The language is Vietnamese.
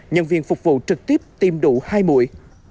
nhân viên phục vụ trực tiếp tiêm đủ hai mũi